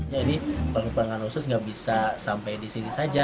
jadi perubahan anusus tidak bisa sampai di sini saja